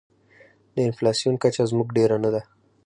د انفلاسیون کچه زموږ ډېره نه ده.